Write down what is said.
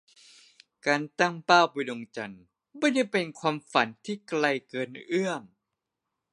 การตั้งเป้าไปดวงจันทร์ ไม่ได้เป็นความฝันที่ไกลเกินเอื้อม